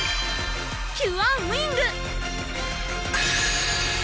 キュアウィング！